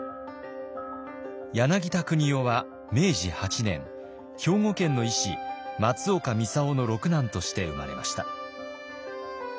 柳田国男は明治８年兵庫県の医師松岡操の六男として生まれました。